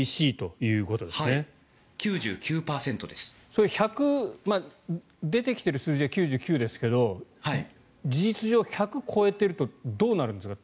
それ、出てきている数字は９９ですが事実上、１００を超えているとどうなるんですか？